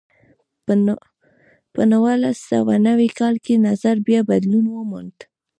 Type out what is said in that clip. په نولس سوه نوي کال کې نظر بیا بدلون وموند.